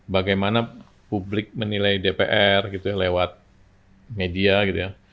bagaimana publik menilai dpr lewat media gitu ya